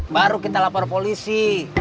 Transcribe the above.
baru kita lapor polisi